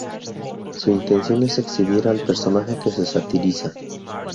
Su intención es exhibir al personaje que se satiriza.